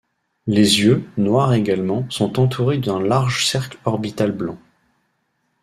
Les yeux, noirs également, sont entourés d'un large cercle orbital blanc.